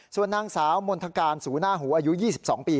ส่วนนางสาวมณฑการสูหน้าหูอายุ๒๒ปี